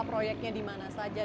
proyeknya di mana saja